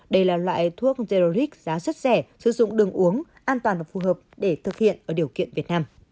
đây là loại thuốc zeroric giá rất rẻ sử dụng đường uống an toàn và phù hợp để thực hiện ở điều kiện việt nam